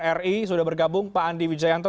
terima kasih sudah bergabung pak andi wijayanto